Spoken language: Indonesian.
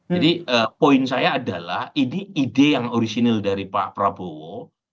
jadi poin saya adalah ini ide yang original dari pak prabowo